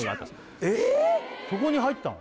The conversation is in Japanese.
そこに入ってたの？